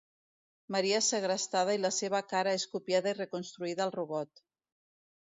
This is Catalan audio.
Maria és segrestada i la seva cara és copiada i reconstruïda al robot.